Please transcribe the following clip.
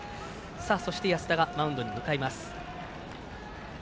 そして、安田がマウンドに向かいます。